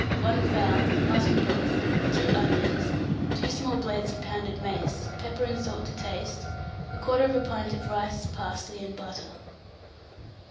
1 fowl, mutton broth, 2 onions, 2 small blades of pounded mace, pepper and salt to taste, 1/4 pint of rice, parsley and butter.